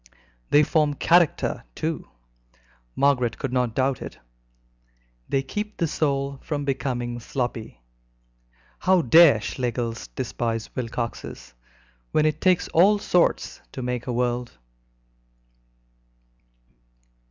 They form character, too; Margaret could not doubt it: they keep the soul from becoming sloppy. How dare Schlegels despise Wilcoxes, when it takes all sorts to make a world?